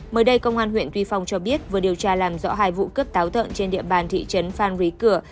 mới đây công an huyện tuy phong cho biết vừa điều tra làm rõ hai vụ cướp táo tợn trên địa bàn thị trấn phan rí cửa